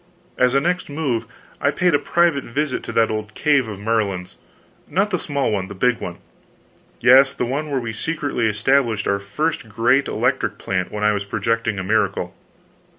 As a next move, I paid a private visit to that old cave of Merlin's not the small one the big one " "Yes, the one where we secretly established our first great electric plant when I was projecting a miracle."